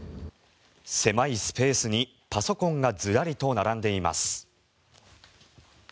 狭いスペースにパソコンがずらりと並んでいます。